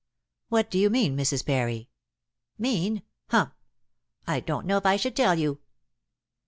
"What do you mean, Mrs. Parry?" "Mean? Humph! I don't know if I should tell you."